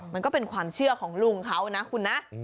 มันก็เป็นความเชื่อของลุงเขานะคุณนะ